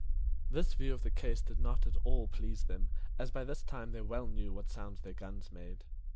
This view of the case did not at all please them, as by this time they well knew what sounds their guns made.